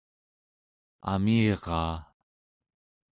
amiraa